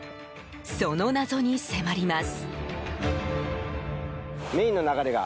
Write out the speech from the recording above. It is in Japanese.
その謎に迫ります。